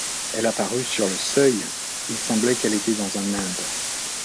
Elle apparut sur le seuil ; il semblait qu’elle était dans un nimbe.